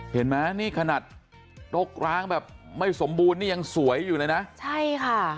เห็นไหมนี่ขนาดรกร้างแบบไม่สมบูรณ์นี่ยังสวยอยู่เลยนะใช่ค่ะ